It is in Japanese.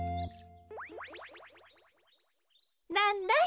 なんだい？